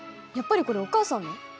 やっぱりこれお母さんの？